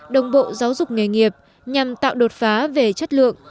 đồng bộ giáo dục nghề nghiệp nhằm tạo đột phá về chất lượng